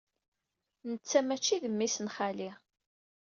Netta maci d memmi-s n xali.